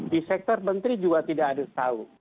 di sektor menteri juga tidak harus tahu